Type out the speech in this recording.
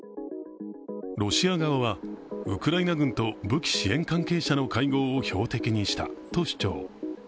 ロシア側はウクライナ軍と武器支援関係者の会合を標的にしたと主張。